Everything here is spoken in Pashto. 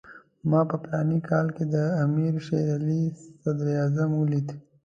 ما په فلاني کال کې د امیر شېر علي صدراعظم ولید.